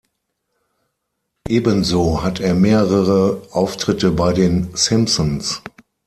Ebenso hat er mehrere Auftritte bei den Simpsons.